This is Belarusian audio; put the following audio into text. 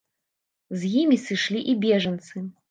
З імі сышлі і бежанцы.